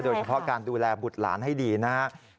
โดยเฉพาะการดูแลบุตรหลานให้ดีนะครับ